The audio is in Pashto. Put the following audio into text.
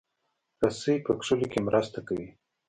رسۍ په کښلو کې مرسته کوي.